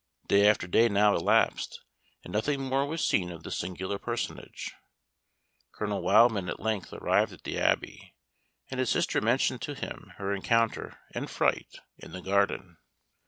Day after day now elapsed, and nothing more was seen of this singular personage. Colonel Wildman at length arrived at the Abbey, and his sister mentioned to him her encounter and fright in the garden.